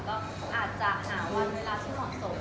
ก็อาจจะหาวันเวลาที่เหมาะสม